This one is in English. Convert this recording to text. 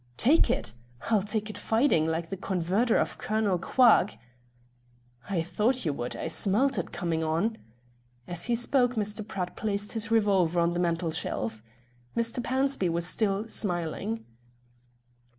"Take it? I'll take it fighting, like the converter of Colonel Quagg!" "I thought you would. I smelt it coming on." As he spoke Mr. Pratt placed his revolver on the mantelshelf. Mr. Pownceby was still smiling.